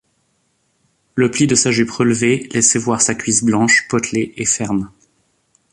Le pli de sa jupe relevée laissait voir sa cuisse blanche, potelée et ferme.